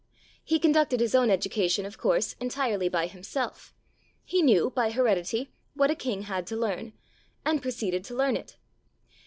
He conducted his own education, of course, entirely by himself ; he knew, by heredity, what a king had to learn, and proceeded to learn it.